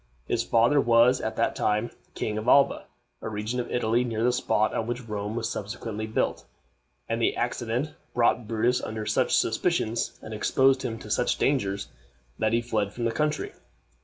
His father was at that time King of Alba a region of Italy near the spot on which Rome was subsequently built and the accident brought Brutus under such suspicions, and exposed him to such dangers, that he fled from the country.